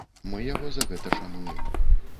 Мы яго за гэта шануем.